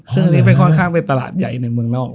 ซึ่งอันนี้เป็นค่อนข้างเป็นตลาดใหญ่หนึ่งเมืองนอก